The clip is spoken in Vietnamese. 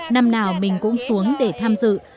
năm nào mình cũng xuống để tham dự